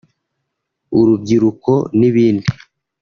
urubyiruko n’ibindi